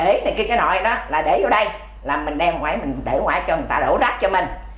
cái này kia cái nội đó là để vô đây là mình đem ngoài mình để ngoài cho người ta đổ rác cho mình